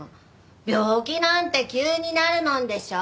病気なんて急になるもんでしょ？